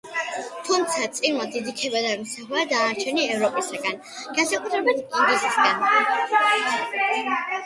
თუმცა წიგნმა დიდი ქება დაიმსახურა დანარჩენი ევროპისგან, განსაკუთრებით ინგლისისგან.